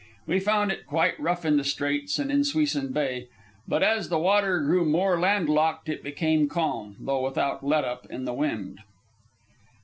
We found it quite rough in the Straits and in Suisun Bay; but as the water grew more land locked it became calm, though without let up in the wind.